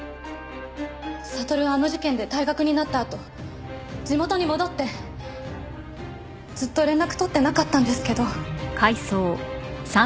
悟はあの事件で退学になったあと地元に戻ってずっと連絡取ってなかったんですけど。